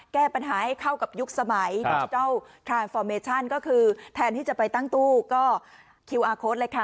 แก้ปัญหาให้เข้ากับยุคสมัยก็คือแทนที่จะไปตั้งตู้ก็คิวอาร์โค้ดเลยค่ะ